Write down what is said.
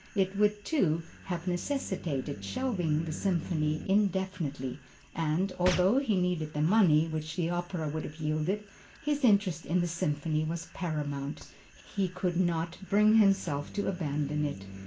It would too, have necessitated shelving the Symphony indefinitely, and, although he needed the money which the opera would have yielded, his interest in the Symphony was paramount; he could not bring himself to abandon it.